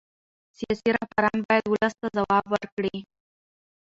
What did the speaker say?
سیاسي رهبران باید ولس ته ځواب ورکړي